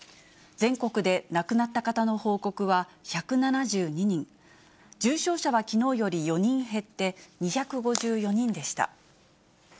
全国で亡くなった方の報告は１７２人、重症者はきのうより４人減って、２５４人でした。